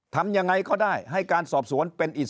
ทำยังไงก็ได้ให้การสอบสวนเป็นอิสระ